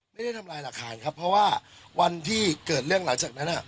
ไม่ได้ทำลายหลักฐานครับเพราะว่าวันที่เกิดเรื่องหลังจากนั้น